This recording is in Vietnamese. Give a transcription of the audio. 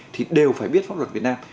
thì đều phải biết pháp luật việt nam